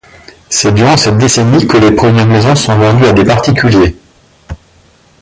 C'est durant cette décennie que les premières maisons sont vendues à des particuliers.